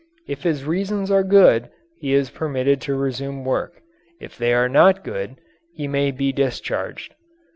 If his reasons are good, he is permitted to resume work. If they are not good he may be discharged.